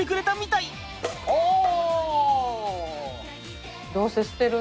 おお！